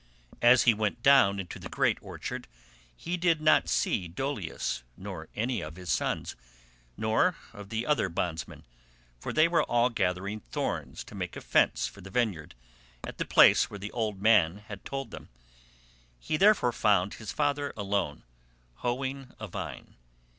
As he went down into the great orchard, he did not see Dolius, nor any of his sons nor of the other bondsmen, for they were all gathering thorns to make a fence for the vineyard, at the place where the old man had told them; he therefore found his father alone, hoeing a vine.